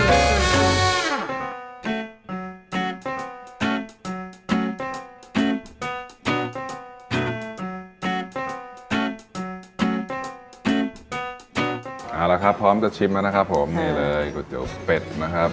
เอาละครับพร้อมจะชิมแล้วนะครับผมนี่เลยก๋วยเตี๋ยวเป็ดนะครับ